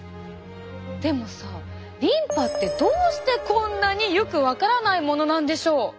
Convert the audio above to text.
でもさリンパってどうしてこんなによく分からないものなんでしょう？